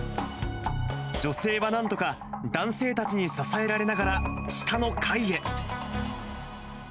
女性はなんとか、男性たちに支えられながら、下の階へ。